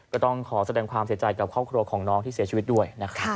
ก็ต้องขอแสดงความเสียใจกับครอบครัวของน้องที่เสียชีวิตด้วยนะครับ